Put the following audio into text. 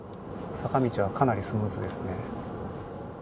坂道はかなりスムーズですね。